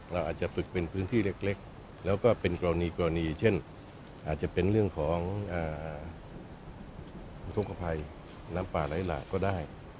เราอาจจะฝึกเป็นพื้นที่เล็กแล้วก็เป็นกรณีเช่นอาจจะเป็นเรื่องของอุทธกภัยน้ำป่าไหลหลากก็ได้